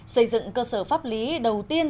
xây dựng cơ sở pháp lý đầu tiên